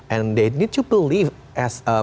dan mereka harus percaya